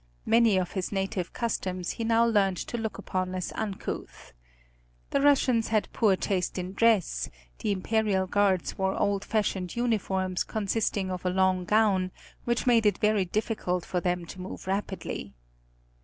Many of his native customs he now learned to look upon as uncouth. The Russians had poor taste in dress; the Imperial Guards wore old fashioned uniforms consisting of a long gown, which made it very difficult for them to move rapidly.